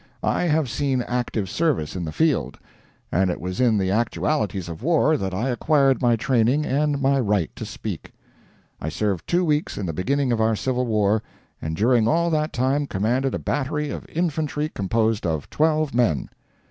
I have seen active service in the field, and it was in the actualities of war that I acquired my training and my right to speak. I served two weeks in the beginning of our Civil War, and during all that time commanded a battery of infantry composed of twelve men.